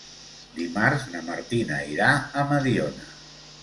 Dimarts na Martina irà a Mediona.